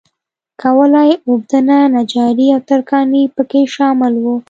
کولالي، اوبدنه، نجاري او ترکاڼي په کې شامل و.